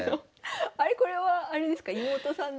あれこれはあれですか妹さんの。